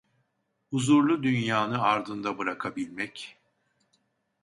Huzurlu dünyanı ardında bırakabilmek…